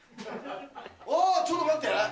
ああ、ちょっと待って！